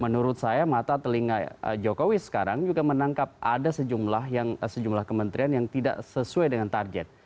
menurut saya mata telinga jokowi sekarang juga menangkap ada sejumlah kementerian yang tidak sesuai dengan target